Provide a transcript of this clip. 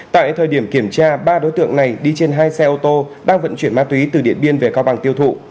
tại thời điểm kiểm tra ba đối tượng này đi trên hai xe ô tô đang vận chuyển ma túy từ điện biên về cao bằng tiêu thụ